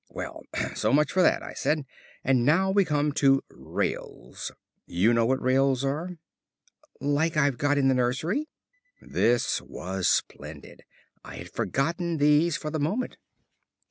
"Well, so much for that," I said. "And now we come to 'rails.' You know what rails are?" "Like I've got in the nursery?" This was splendid. I had forgotten these for the moment.